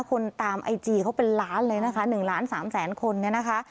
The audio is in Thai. คนตามไอจีเขาเป็นล้านเลยนะคะ๑ล้าน๓แสนคนเนี่ยนะคะ